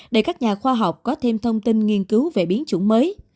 để các nhà khoa học có thêm thông tin nghiên cứu về biến chủng mới